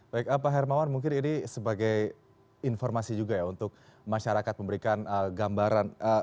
baik pak hermawan mungkin ini sebagai informasi juga ya untuk masyarakat memberikan gambaran